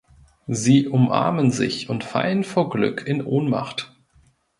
Sie umarmen sich und fallen vor Glück in Ohnmacht.